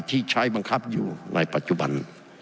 ที่ใช้บังคับอยู่ในปัจจุบัน